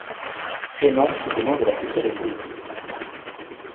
Prénoms et nom de la future épouse.